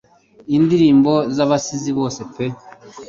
Indirimbo z'abasizi bose pe